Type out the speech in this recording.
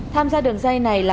tham gia đường dây này là